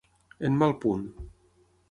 En mal punt.